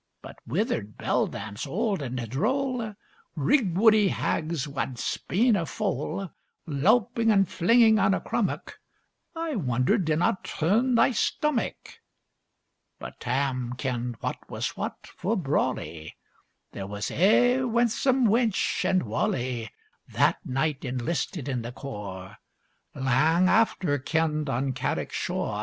But withered beldams old and droll, Rigwoodie hags wad spean a foal, Lowping and flinging on a crummock, I wonder didna turn thy stomach. But Tam kenned what was what fu' brawlie: "There was ae winsome wench and walie," That night inlisted in the core (Lang after kenned on Carrick shore!